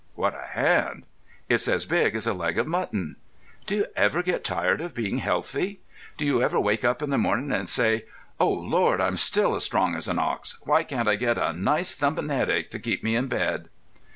What a hand! It's as big as a leg of mutton. Do you ever get tired of being healthy? Do you ever wake up in the morning and say: 'O Lord, I'm still as strong as an ox—why can't I get a nice thumping headache to keep me in bed?